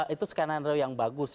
itu sekarang yang bagus